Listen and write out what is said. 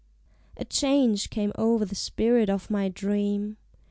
A change came o'er the spirit of my dream.